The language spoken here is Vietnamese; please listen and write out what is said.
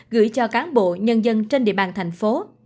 gửi cho cán bộ nhân dân trên địa bàn thành phố